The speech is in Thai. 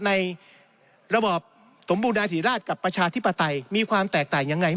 ระบบสมบูรณาศิราชกับประชาธิปไตยมีความแตกต่างยังไง